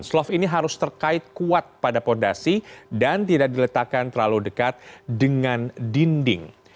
slof ini harus terkait kuat pada fondasi dan tidak diletakkan terlalu dekat dengan dinding